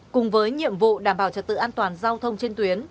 cùng với nhiệm vụ đảm bảo trật tự an toàn giao thông trên tuyến